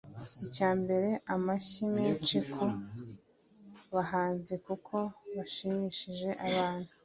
Icya mbere amashyi menshi ku habanzi kuko bashimishije abantu